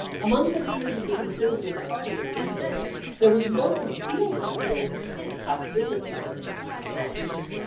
Among the leaders of the Conservative party in England there was no concealment of their intense hostility to the Na tional cause.